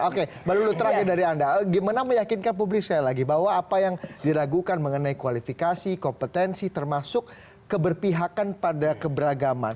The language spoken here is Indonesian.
oke mbak lulu terakhir dari anda gimana meyakinkan publik sekali lagi bahwa apa yang diragukan mengenai kualifikasi kompetensi termasuk keberpihakan pada keberagaman